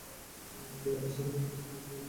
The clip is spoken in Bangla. লিয়ারি শহরে বিভিন্ন জাতিগোষ্ঠী বসবাস করে।